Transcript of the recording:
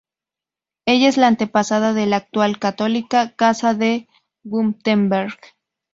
Ella es la antepasada de la actual, católica Casa de Wurtemberg.